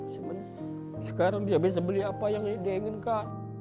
cuman sekarang dia bisa beli apa yang dia inginkan